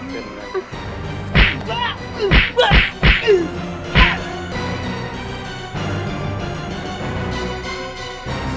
gitu aku sam